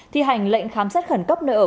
thi hành lệnh khám sát khẩn cấp nơi ở